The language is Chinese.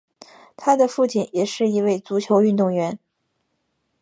他的父亲也是一位足球运动员。